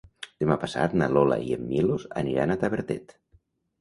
Demà passat na Lola i en Milos aniran a Tavertet.